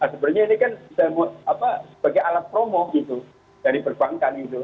sebenarnya ini kan sebagai alat promo gitu dari perbankan gitu